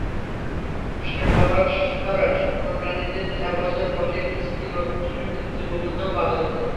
তুরস্কের বসফরাস প্রণালিতে চার বছর বয়সী একটি সিরীয় শিশুর মৃতদেহ পাওয়া গেছে।